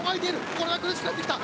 これは苦しくなってきた！